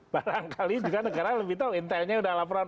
barangkali juga negara lebih tahu intelnya sudah laporan